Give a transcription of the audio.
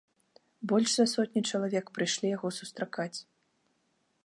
Больш за сотню чалавек прыйшлі яго сустракаць.